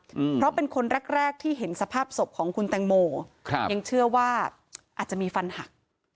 อืมเพราะเป็นคนแรกแรกที่เห็นสภาพศพของคุณแตงโมครับยังเชื่อว่าอาจจะมีฟันหัก